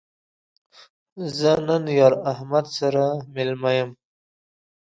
زه نن یار احمد سره مېلمه یم